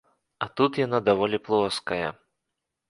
А тут яна даволі плоская.